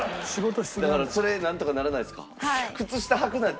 だからそれなんとかならないですか？